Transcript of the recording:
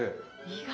意外。